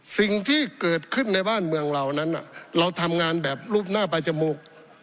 สิ่งที่เกิดขึ้นในบ้านเมืองเรานั้นเราทำงานแบบรูปหน้าปลายจมูก